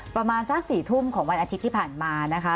ประมาณสัก๔ทุ่มของวันอาทิตย์ที่ผ่านมานะคะ